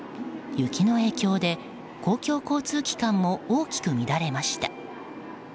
雪の影響で公共交通機関も大きく乱れました。